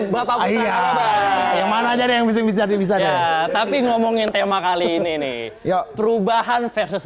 bapak iya yang mana jadi yang bisa bisa tapi ngomongin tema kali ini nih perubahan versus